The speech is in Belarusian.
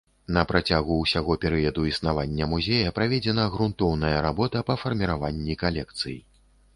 На працягу ўсяго перыяду існавання музея праведзена грунтоўная работа па фарміраванні калекцый.